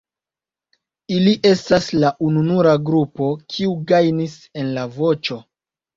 Ili estas la ununura grupo kiu gajnis en La Voĉo.